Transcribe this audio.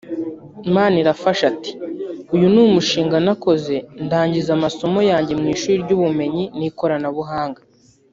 Manirafasha ati “Uyu ni munshinga nakoze ndangiza amasomo yanjye mu Ishuri ry’Ubumenyi n’Ikoranabuhanga